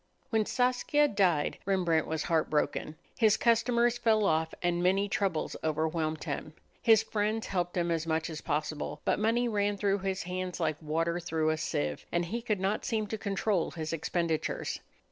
When Saskia died Rembrandt was heartbroken. His customers fell off and many troubles overwhelmed him. His friends helped him as much as possible, but money ran through his hands like water through a sieve, and he could not seem to control his expenditures.